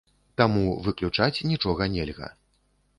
Таму выключаць нічога нельга.